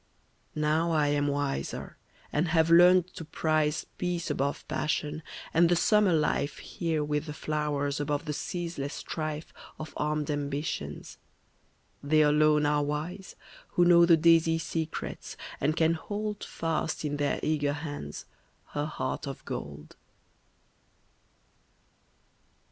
Now I am wiser, and have learned to prize Peace above passion, and the summer life Here with the flowers above the ceaseless strife Of armed ambitions. They alone are wise Who know the daisy secrets, and can hold Fast in their eager hands her heart of gold.